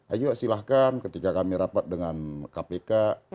ayo silahkan ketika kami rapat dengan kpk